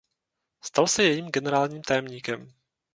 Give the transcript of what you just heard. Stal se jejím generálním tajemníkem.